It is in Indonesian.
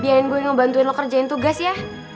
biarin gue ngebantuin lo kerjain tugas ya